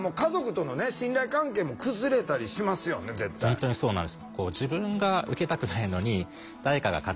本当にそうなんです。